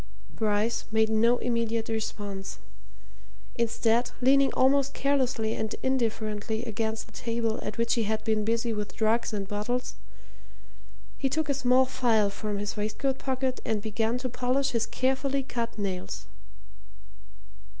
Bryce made no immediate response. Instead, leaning almost carelessly and indifferently against the table at which he had been busy with drugs and bottles, he took a small file from his waistcoat pocket and began to polish his carefully cut nails.